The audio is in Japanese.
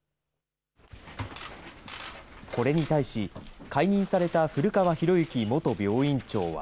これに対し、解任された古川博之元病院長は。